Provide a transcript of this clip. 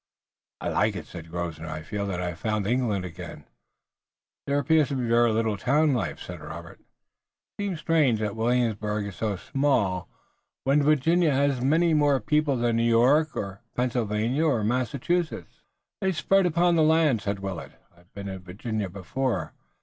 "I like it," said Grosvenor. "I feel that I've found England again." "There appears to be very little town life," said Robert. "It seems strange that Williamsburg is so small, when Virginia has many more people than New York or Pennsylvania or Massachusetts." "They're spread upon the land," said Willet. "I've been in Virginia before.